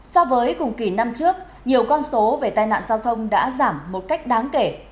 so với cùng kỳ năm trước nhiều con số về tai nạn giao thông đã giảm một cách đáng kể